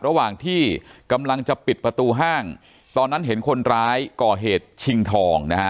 ระหว่างที่กำลังจะปิดประตูห้างตอนนั้นเห็นคนร้ายก่อเหตุชิงทองนะฮะ